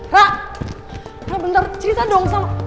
ra bentar cerita dong sama